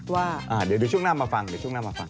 ว่าเดี๋ยวช่วงหน้ามาฟังเดี๋ยวช่วงหน้ามาฟัง